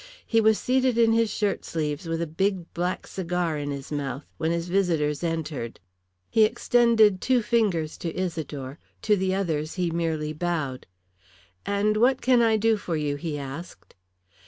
He was seated in his shirtsleeves, with a big black cigar in his mouth, when his visitors entered. He extended two fingers to Isidore, to the others he merely bowed. "And what can I do for you?" he asked.